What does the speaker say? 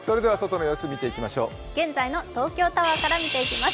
現在の東京タワーから見ていきます。